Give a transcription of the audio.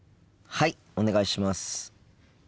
はいお願いします。